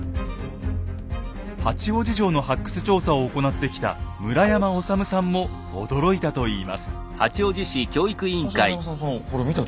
八王子城の発掘調査を行ってきた村山修さんも驚いたといいます。